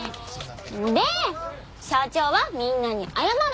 で社長はみんなに謝る。